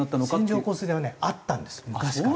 線状降水帯はねあったんです昔から。